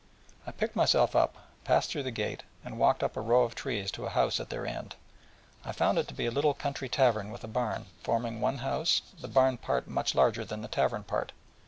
I picked myself up, passed through the gate, and walked up a row of trees to a house at their end. I found it to be a little country tavern with a barn, forming one house, the barn part much larger than the tavern part.